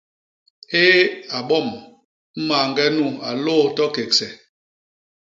Éé! abom, mañge nu a lôôs to kégse!